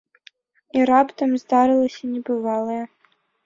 І раптам здарылася небывалае.